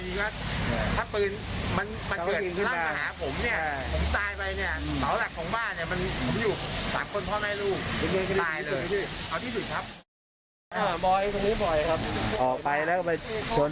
ไม่ครับผมก็ไม่ได้ยินเสียงผมอยู่รุ่นเหรอ